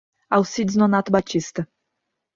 Alcides Nonato Batista